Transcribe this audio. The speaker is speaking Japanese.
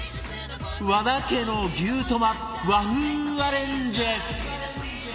和田家の牛トマ和風アレンジ